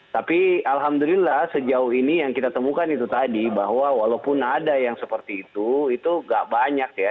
tapi alhamdulillah sejauh ini yang kita temukan itu tadi bahwa walaupun ada yang seperti itu itu gak banyak ya